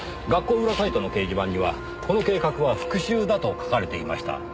学校裏サイトの掲示板にはこの計画は復讐だと書かれていました。